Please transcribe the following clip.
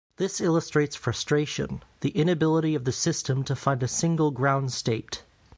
This illustrates frustration: the inability of the system to find a single ground state.